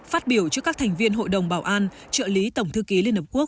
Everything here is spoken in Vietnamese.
phát biểu trước các thành viên hội đồng bảo an trợ lý tổng thư ký liên hợp quốc